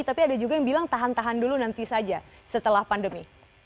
tapi ada juga yang bilang tahan tahan dulu nanti saja setelah pandemi